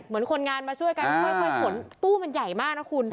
เหมือนคนงานมาช่วยกันค่อยขนตู้มันใหญ่มากนะคุณ